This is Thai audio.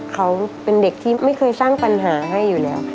เขาเป็นเด็กที่ไม่เคยสร้างปัญหาให้อยู่แล้ว